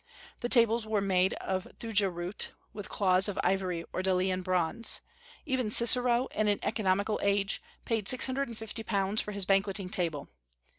The tables were made of Thuja root, with claws of ivory or Delian bronze. Even Cicero, in an economical age, paid six hundred and fifty pounds for his banqueting table.